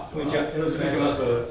よろしくお願いします。